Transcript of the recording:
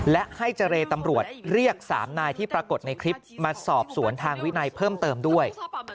และให้เจรตำรวจเรียก๓นายที่ปรากฏในคลิปมาสอบสวนทางวินัยเพิ่มเติมด้วย